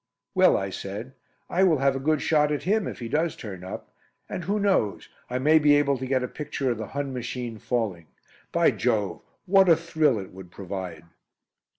"Well," I said, "I will have a good shot at him if he does turn up. And who knows I may be able to get a picture of the Hun machine falling. By Jove, what a thrill it would provide!"